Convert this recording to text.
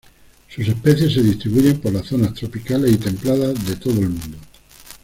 Sus especies se distribuyen por las zonas tropicales y templadas de todo el mundo.